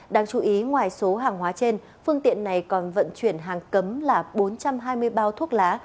đáng chú ý ngoài số hàng hóa trên phương tiện này còn vận chuyển hàng cấm là bốn trăm hai mươi bao thuốc lá